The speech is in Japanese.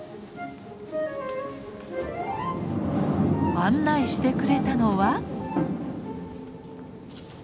案内してくれたのは。